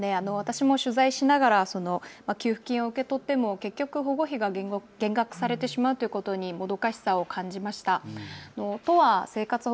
私も取材をしながら給付金を受け取っても結局保護費が減額されてしまうということにもどかしさを感じました。